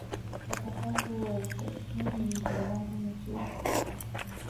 د تخار په ورسج کې د مالګې نښې شته.